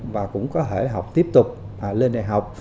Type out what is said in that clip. và cũng có thể học tiếp tục lên đại học